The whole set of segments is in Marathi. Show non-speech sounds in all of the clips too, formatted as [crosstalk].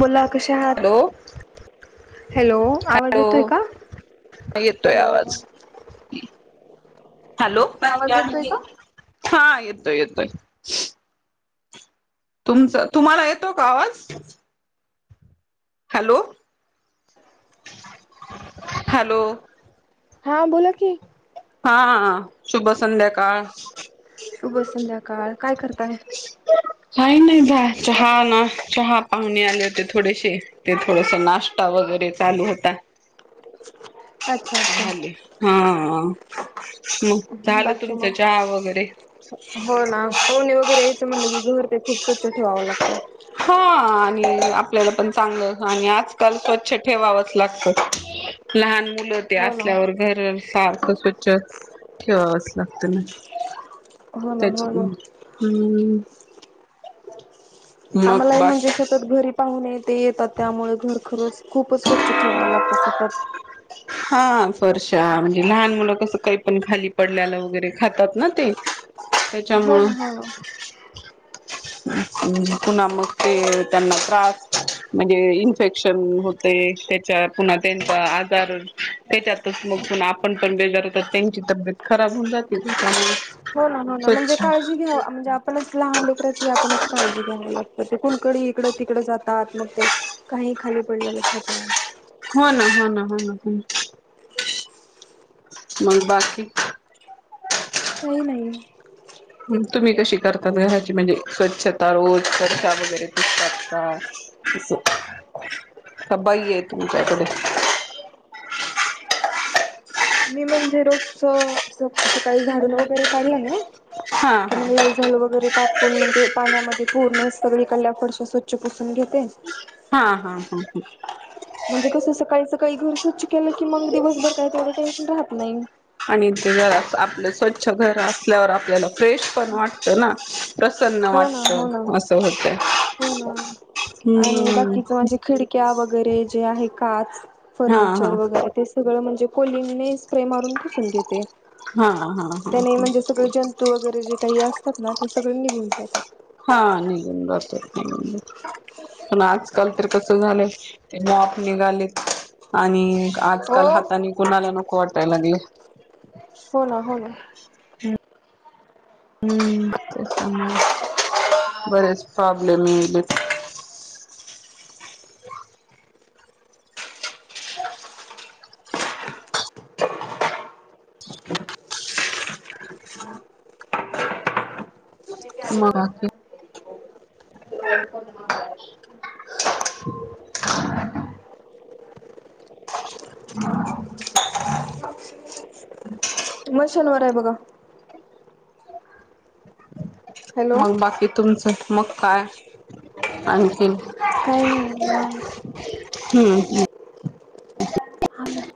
बोला कशा हात. हॅलो हॅलो आवाज येतोय हॅलो का येतोय हॅलो. आवाज हॅलो आवाज येतोय का? हा येतोय, येतोय. तुमचं तुम्हाला येतो का आवाज? Hello, hello! हा बोला की. हा हा शुभ संध्याकाळ. शुभ संध्याकाळ काय करताय? काही नाही बॉ चहा नास चहा पाहुणे आले होते थोडेसे. ते थोडस नाष्टा वगैरे चालू होता. अच्छा अच्छा झाले हा! मग झालं बाकी मग तुमचं चहा वगैरे. पाहूणे वगैरे यायचं म्हणलं की घर ते खूप स्वच्छ ठेवाव लागतं. हा आणि आपल्याला पण चांगलं, आणि आजकाल स्वच्छ ठेवावंच लागत. लहान मुलं ते हो ना. असल्यावर घर सारखं स्वच्छ ठेवावंच लागत ना. हो ना त्याच हो ना. हूं. मग आम्हालाही बास म्हणजे सं. तत घरी पाहुने ते येतात, त्यामुळ घर खरच खूपच स्वच्छ ठेवावं लागतं सतत. हा परश्या म्हणजे लहान मुलं असं काही पण खाली पडल्याला वगैरे खातात ना ते. हो त्याच्यामुळं ना हो. पुन्हा मग ते त्यांना त्रास. म्हणजे इन्फेक्शन होतय, त्याच्या पुन्हा त्यांचा आजार. त्याच्यातच मग प आपण पण बेजार होतो, त्यांची तब्येत खराब होऊन जाते त्याच्यामुळे हो ना, हो ना म्हणजे काळजी घ्याव म्हणजे आप पणच लहान लेकराची आपणच काळजी घ्याव लागत, ते कुणकड इकडं, तिकड जातात मग ते. काही खाली पडलंलं खातात. होना, होना, होना, हो मग बाकी? काही नाही. तुम्ही कशी करताात घराची म्हणजे स्वच्छता रोज [unintelligible] वगैरे पुसतात का? असं कां बाई हे तुमच्याकडे. मी म्हणजे रोजचं, असं सकाळी झाडून वगैरे काढलं ना हा की हा मग लाई झोल वगैरे टाकून म्हणजे पाण्यामध्ये पूर्ण सगळी कडल्या फरश्या स्वच्छ पुसून घेते. हा हा हा हा. म्हणजे कसं सकाळी, सकाळी घर स्वच्छ केलं की मग दिवसभर काही तेवढं टेन्शन राहत नाही. आणि ते जरा असं आपलं स्वच्छ घर असल्यावर आपल्याला फ्रेश पण वाटत ना, प्रसन्न हो ना हो ना वाटत असं हो होत. हूं! क्या वगैरे जे आहे काच, हा हा फर्निचर, वगैरे. ते सगळं म्हणजे कोलिंने स्प्रे मारून पूसून घेते. हा हा हा त्याने म्हणजे सगळे जंतू वगैरे जे काही असतात ना ते सगळे निघून जातात. हा निघून जात्यात, निघून. पण आजकाल तर कस झालंय ते मॉप निघालेत. आणि हो. आजकाल हातानी कुणाला नको वाटाय लागल. होना, होना. हूं कसं म बरेच प्रॉब्लेम येलेत. मग आकेल. [inaudible] तुम्हाल शनिवार आहे बघा. हॅलो मंग बाकी तुमचं मग काय आणखीन. काय नै बघ निवांत. हम्म हम्. आम्ही.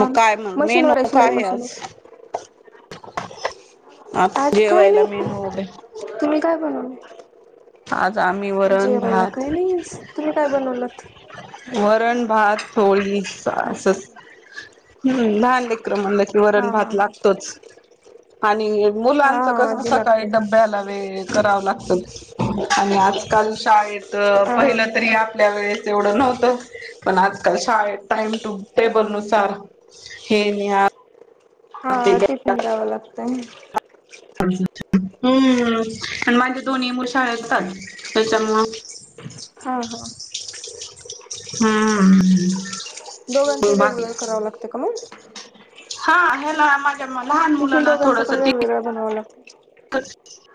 मग काय मग मेनू मशीनवर आहे शिलाई काय हे आज. मशीनवर आज काय जेवायला नाही मेनू काय. तुम्ही काय बनवलंय. आज आम्ही वरण भात. काय नाही आज तुम्ही काय बनवलंत? वरण भात पोळी अच्छा. असंच. हम्म लहान लेकरं म्हणलं की हा वरण हा भात लागतोच. आणि हा मुलांचं हा कसं आधी सकाळी लागतय. डब्याला वे करावं लागतं. आणि आजकाल शाळेत हा पहिला तरी ऍ''--'' आपल्या वेळेस एवढं नव्हतं पण आजकाल शाळेत टाईम टू टेबल नुसार. हे न्या. ते हा द्या. टिफिन द्यावं लागतंय. हम्म आणि माझे दोन्ही मुलं शाळेला जातात त्याच्यामुळं. हा हा. हम्म. दोघांचै बाकी वेगवेगळं करावं लागतंय का मंग? हा ह्याला माझ्या लहान मुलांना थोडसं टिफि''--'' वेगळं बनवावं लागतं. [inaudible]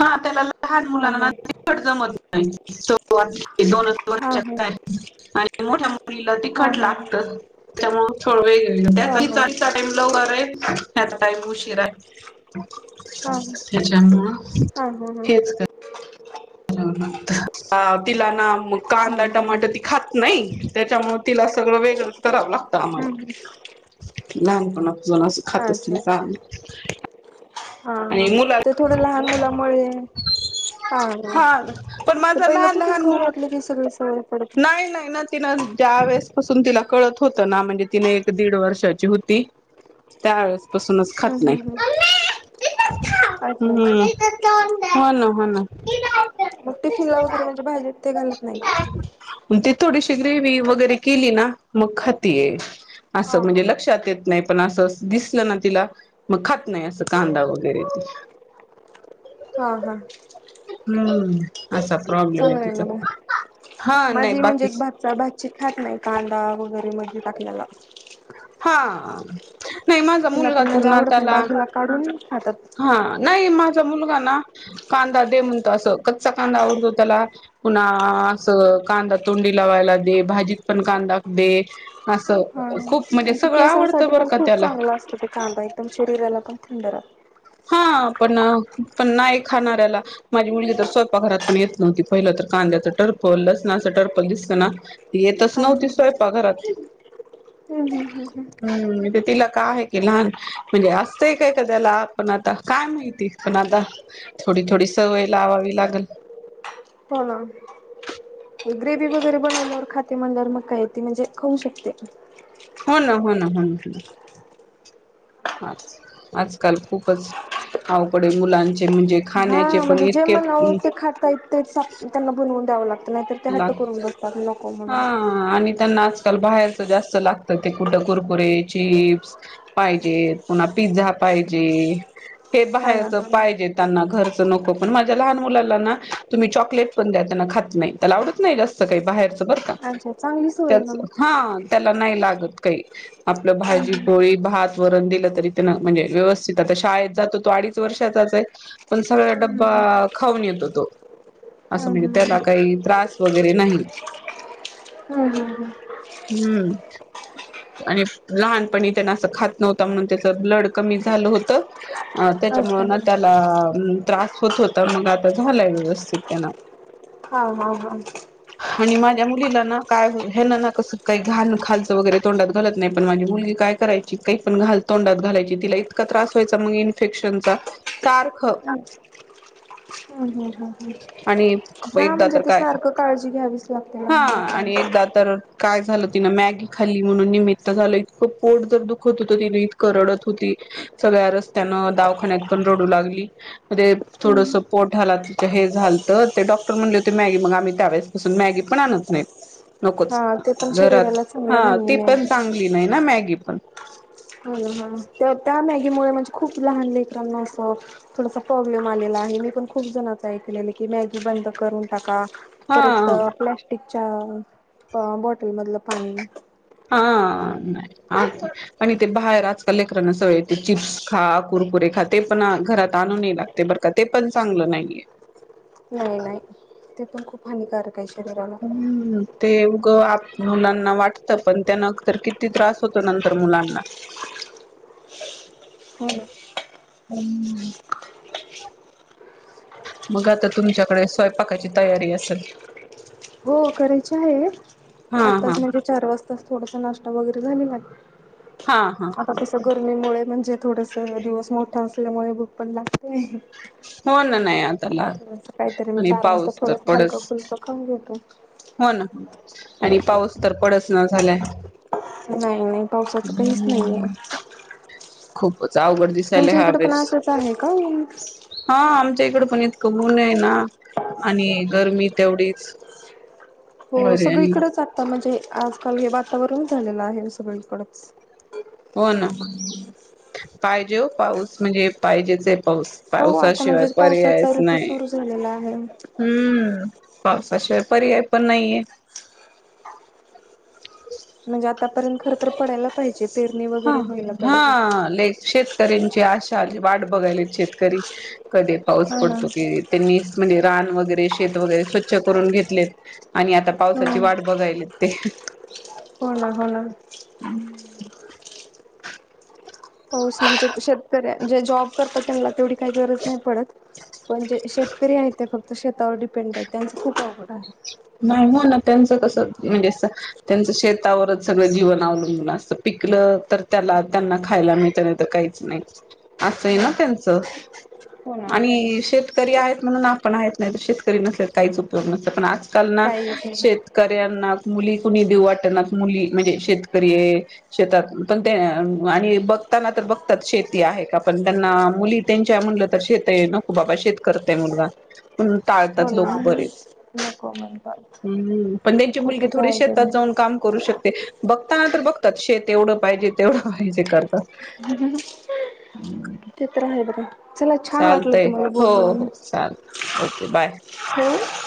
हा त्याला लहान हा मुलांना हा [inaudible] जमत नाही दोन हा आणि मोठ्या मुलीला हा तिखट हा हा लागतंच त्यामुळं हा हा [inaudible] [inaudible] टाईम उशीराहे हा त्याच्या मुळं. हा बोला ना. तिला ना मग कांदा हम्म टमाट ती खात नाही. त्याच्यामुळं तिला सगळं वेगळंच कराव लागतं हम्म आम्हाला लहानपणापसून असं. खातच अच्छा नै अच्छा कांदे. हा हा, ते थोडं लहान मुलामुळे. हा हा पण ते माझा लहान पहिल्यापासून लहान खाऊ मुलगा घातलं की सगळे सवय पडते. नाही नाही ना तिनं ज्या वेळेसपासून तिला कळत होतं ना म्हणजे तिनं एक दीड वर्षाची होती. तेव्हा. त्यावेेळेस पासूनच खात नाही अच्छा हम्म. अच्छा हो ना हो ना. मग टिफिनला वगैरे म्हणजे भाजीत ते घालत नाही का. ते थोडीशी ग्रेवी वगैरे केली ना मग खातीये. हा असं म्हणजे हा लक्षात येत नाही पण असं दिसलं ना तिला. मग खात नाही असं कांदा वगैरे ती. हा हा, हम्म असा प्रॉब्लेम आहे चांगलं तिचा. ना मग माझी [unintelligible] खात नाही कांदा वगैरे मध्ये टाकल्याला. हा नाही माझा तिला मुलगा पण तर म्हणजे ना आवडत नाही त्याला बाजूला काढून खातात. हा नाही माझा मुलगा ना कांदा दे म्हणत असं कच्चा कांदा आवडतो त्याला पुन्हा असं कांदा तोंडी लावायला दे भाजीत पण कांदा दे असं हा खूप म्हणजे आणि ती सगळं आवडतं केसांसाठी बरं पण का खूप त्याला चांगला असतो ते कांदा एकदम शरीराला पण थंड राहतो हा पण पण नाही खाणाऱ्याला माझी मुलगी तर स्वयपाघरात पण येत नव्हती पहिलं तर कांद्याचं टर्पल लसणाचं टर्पल दिसतना येतच हा हा नव्हती हम्म स्वयंपा घरात हम्म हम्म हम्म म्हणजे तिला काय आहे क लहान म्हणजे असतय काय क त्या्याला पण आता काय माहिती पण आता थोडी थोडी सवय लावावी लागेल हो ना ग्रेव वगैरे बनवल्यावर खाते म्हणल्यार मग का य ते म्हणजे खाऊ शकते हो ना हो ना हो ना हो ना आ आजकाल खूपच आवघडय मुलांचे म्हणजे खाण्या हा म्हणजे ते खातय ते त्यांना बनवून द्याव लागत नाही ते हट्ट लागत करून बसतात लो हा आणि त्यांना आजकाल बाहेरच जास्त लागतं ते कुठं कुरकुरे चिप्स पाहिजेत पुन्हा पिझ्झा पाहिजे हे हा ना बाहेरच हा पाहिजेत ना घरच नको पण माझ्या लहान मुलाला ना तुम्ही चॉकलेट पण द्या त्यांना खात नाही त्याला आवडत नाही जास्त काही बाहेरच बरं का अच्छा चांगली सोय आहे ना त्याच मग ती. हा त्याला नाही लागत काही आपलं भाजी पोळी भात वरण दिलं तरी त्यां म्हणजे व्यवस्थित आता शाळेत जातो तो अडीच वर्षाचाच आहे पण सगळा हम्म डब्बा खाऊन येतो तो असं म्हणजे हम्म हम्म हम्म त्याला हम्म काही त्रास वगैरे नाही हम्म हम् हम् हम्म आणि लहानपणी त्यांना असं खात नव्हता म्हणून त्याच ब्लड कमी झालं होत अ अच्छा त्याच्यामुं ना त्याला त्रास होत होता मग आता झालाय व्यवस्थित त्यांना हा हा हा आणि मग त्या मुलीला ना काय ना ना कसं काही घाण खालचं वगैरे तोंडात घालत नाही पण माझी मुलगी काय कय काही पण घाल तोंडात घालायची तिला इतका त्रास व्हायचा मग इन्फेक्शनचा सारखं अच् आणि हा एकदा म्हणजे तर ते काय सारख काळजी घ्यावीस हा आणि एकदा तरुण काय झालं तिनं मॅगी खाल्ली म्हणून निमित्त झालं इतकं पोट जर दुखत होत तिन इतकं रडत होती सगळ्या रस्त्यान दावाखान्यात पण रडू लागली म्ह थोडंस पोट हला त हे झालत तर ते डॉक्टर म्हणले होते मॅगी मग आम्ही त्यावेळेपसून मॅगी पण आणत नाही नकोच हा ते पण घरात शरीराला हा चांगलं नाहीये ती पण मॅगी. चांगली नाही ना मॅगी पण हो ह त्या मॅगी मु म्हणजे खूप लहान लेकरांना असं थोडासा प्रॉब्लेम आलेला आहे मी पण खूप जणांच ऐकलेल की मॅगी बंद करून टाका हा परत अ प्लॅस्टिकच्या बॉटल मधलं पाणी आ नाही आजच आणि ते बाहेर आजकाल लेकरांना सवय ते चिप्स खा कुरकुरे खा ते पण घरात आणू नये ते बरं का ते पण चांगलं नाहीये नाही नाही ते पण खप हानिकारक आहे शरीराला हम्म ते उगं मुलांना वाटतं पण त्यान तरर किती त्रास होतो नंतर मुलांना ह हम्म मग आता तुमच्याकडे स्वयंपाकाची तयारी असेल हो करायची आहे हा आठ तास हा म्हणजे चार वाजतास थोडासा नाश्ता वगैरे झालेला आहे हा हा आता हा कसं करू निमुळे म्हणजे थोडसं दिवस मोठा असल्यामुळे भूक पण लागते हो ना नाही आता ला थोडस काहीतरी मी आणि चार वाजता पाऊस तर थोडस हलकं पडसं फुलकं खाऊन घेवू का हो ना आणि पाऊस तर पडस ना झालाय नाही नाही पावसाचं काहीचं नाहीये हम्म. खूपच अवघड दिसायला तुमच्या ह्या इकडे पण वेळेस असचं आहे का ऊन हा आमच्या इकडं पण इतकं ऊन आहे ना आणि गरमी तेवढीच हो बरी आणि सगळीकडेच आता म्हणजे आजकाल हे वातावरण झालेलं आहे सगळीकडंचो हो ना पाहिजे हो पाऊस म्हणजे पाहिजेच पाऊस हो आता पावसाशिवाय म्हणजे पावसाचा पर्यायच ऋतू नाही सुरू झालेला आहे हम्म पावसाशिवाय पर्याय पण नाहीये म्हणजे आतापर्यंत खरंतर पडायला पाहिजेत हा हा लई पेरणीची आशा वाट बघायलेत शेतकरी कधी पाऊस हो ना पडतो की त्यांनीच म्हणजे रान वगैरे शेत वगैरे स्वच्छ करून घेतलेत आणि आता हो पावसाची वाट बघायलेत ते हो ना हो ना पाऊस म्हणजे शेतकऱ्या जे जॉब करतात त्यांना तेवढी काही गरज नाही पडत पण जे शेतकरी आहेत ते फक्त शेतावर डिपेंड आहेत त्यांच खूप अवघड आहे नाही हो ना त्यांच कसं म्हणजे असं त्यांचं शेतावरच सगळं जीवन अवलंबून असतं पिकलं तर त्याला त्यांना खायला मिळत नाही तर नाही असयं ना नाही त्यांचं हो ना आणि शेतकरी आहेत म्हणून आपण आहेत नाही तर शेतकरी नसलेत काहीच उपयोग नसत पण आज त्यांना काही येत नाही. शेतकऱ्यांना मुली कुणी देऊ वाटनात मुली म्हणजे शेतकरीए शेतात पण ते आणि बघताना तर बघतात शेती आहे का पण त्यांना मुली त्यांच्या म्हणलं तर शेत आहे नको बाबा शेत करतयं मुलगा पण हो टाळतात ना लोकं बरेच नको अम् हम्म त्यांची मुलगी थोडी शेतात आहे. जाऊन काम करू शकते बघतांना तर बघतात शेत एवढं पाहिजे तेवढं पाहिजे करतात हू हू हू आ,,, ते तर हाय बघ चालतंय हो हो चाल ओके बाय हो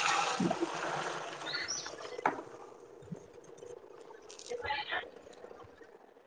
दीसायला